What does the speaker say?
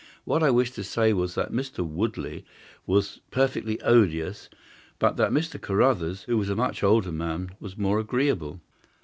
What I wished to say was that Mr. Woodley was perfectly odious, but that Mr. Carruthers, who was a much older man, was more agreeable.